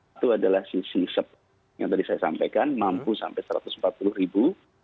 itu adalah sisi yang tadi saya sampaikan mampu sampai satu ratus empat puluh ribu